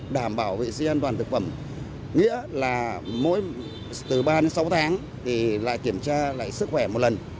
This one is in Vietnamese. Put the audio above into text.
đảm bảo vệ sinh an toàn thực phẩm nghĩa là mỗi từ ba đến sáu tháng thì lại kiểm tra lại sức khỏe một lần